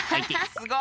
すごい！